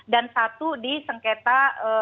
dan satu di sengketa